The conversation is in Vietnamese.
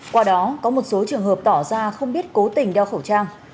qua đó có một số trường hợp tỏ ra không biết cố tình đeo khẩu trang